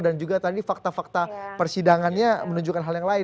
dan fakta fakta persidangannya menunjukkan hal yang lain